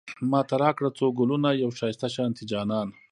ماته راکړه څو ګلونه، يو ښايسته شانتی جانان